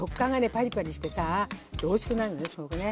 パリパリしてさおいしくなるのねすごくね。